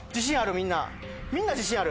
みんなみんな自信ある？